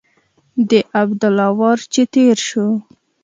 د عبدالله وار چې تېر شو.